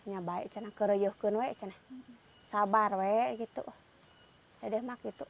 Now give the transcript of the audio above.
ya baik kita beri yukun sabar dedeh